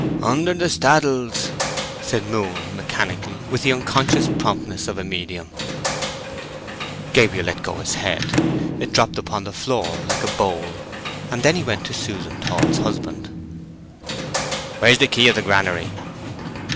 "Under the staddles," said Moon, mechanically, with the unconscious promptness of a medium. Gabriel let go his head, and it dropped upon the floor like a bowl. He then went to Susan Tall's husband. "Where's the key of the granary?"